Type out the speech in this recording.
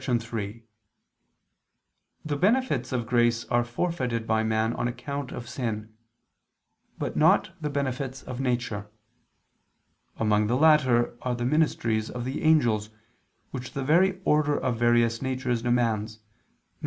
3: The benefits of grace are forfeited by man on account of sin: but not the benefits of nature. Among the latter are the ministries of the angels, which the very order of various natures demands, viz.